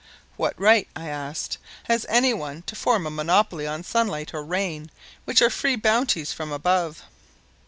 "What right," I asked, "has any one to form a monopoly on sunlight or rain which are free bounties from above?"